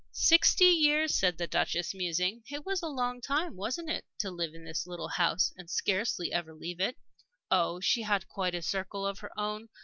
"Sixty years," said the Duchess, musing. "It was a long time wasn't it? to live in this little house, and scarcely ever leave it. Oh, she had quite a circle of her own.